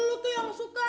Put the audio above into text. lo tuh yang suka